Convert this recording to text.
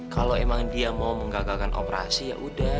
kalau emang dia mau menggagalkan operasi ya udah